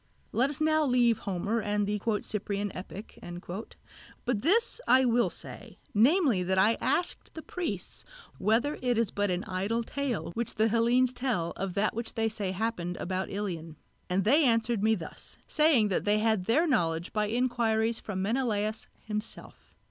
Let us now leave Homer and the "Cyprian Epic"; but this I will say, namely that I asked the priests whether it is but an idle tale which the Hellenes tell of that which they say happened about Ilion; and they answered me thus, saying that they had their knowledge by inquiries from Menelaos himself.